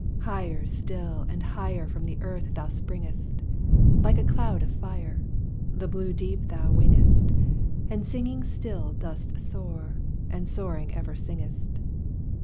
Higher still and higher From the earth thou springest Like a cloud of fire; The blue deep thou wingest, And singing still dost soar, and soaring ever singest.